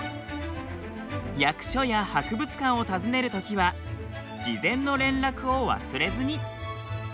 役所や博物館を訪ねるときは事前の連絡を忘れずに。